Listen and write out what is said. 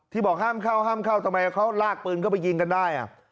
บอกห้ามเข้าห้ามเข้าทำไมเขาลากปืนเข้าไปยิงกันได้